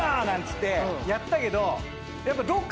なんつってやったけど。